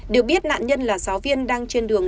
được biết nạn nhân là giáo viên đang trên đường